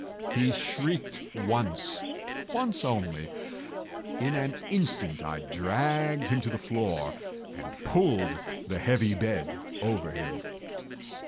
He shrieked once—once only. In an instant I dragged him to the floor, and pulled the heavy bed over him.